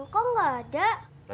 kok nggak ada